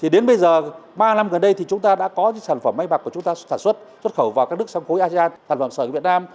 đến bây giờ ba năm gần đây chúng ta đã có sản phẩm may mặc của chúng ta sản xuất xuất khẩu vào các nước sang khối asean sản phẩm sợi của việt nam